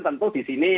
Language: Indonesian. tentu di sini